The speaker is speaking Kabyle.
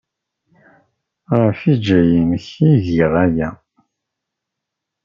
Ɣef lǧal-nnek ay giɣ aya.